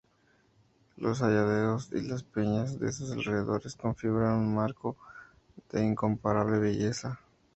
Los hayedos y las peñas de sus alrededores configuran un marco de incomparable belleza.